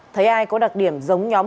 thấy ai có đặc điểm giống nhóm